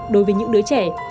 đối với những đứa trẻ